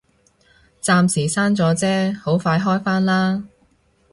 暫時閂咗啫，好快開返啦